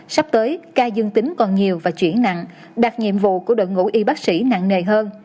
sắp tới ca dương tính còn nhiều và chuyển nặng đặt nhiệm vụ của đội ngũ y bác sĩ nặng nề hơn